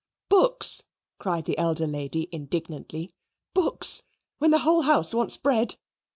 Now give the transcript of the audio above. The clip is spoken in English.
"Books!" cried the elder lady indignantly, "Books, when the whole house wants bread!